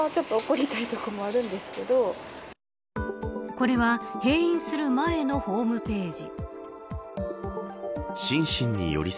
これは閉院する前のホームページ。